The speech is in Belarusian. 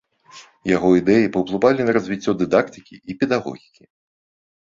Яго ідэі паўплывалі на развіццё дыдактыкі і педагогікі.